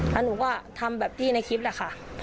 แล้วหนูก็ทำแบบที่ในคลิปแหละค่ะ